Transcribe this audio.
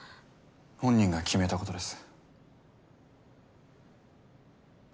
本人が決めたことです。